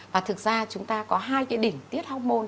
và thực ra chúng ta có hai cái đỉnh tiết hormôn